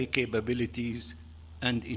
dan memastikan keamanan